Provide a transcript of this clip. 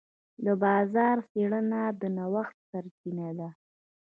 د بازار څېړنه د نوښت سرچینه ده.